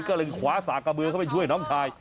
ก็เลยคว้าสากกระเบือเข้าไปช่วยน้องชาย